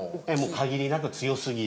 限りなく強すぎる。